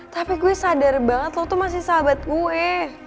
tapi gue sadar banget lo tuh masih sahabat gue